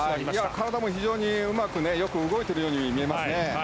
体も非常にうまく動いているように見えますね。